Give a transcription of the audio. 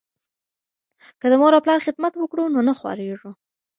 که د مور او پلار خدمت وکړو نو نه خواریږو.